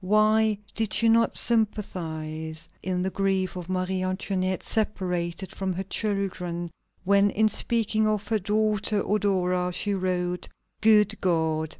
Why did she not sympathize in the grief of Marie Antoinette, separated from her children, when in speaking of her daughter Eudora, she wrote: "Good God!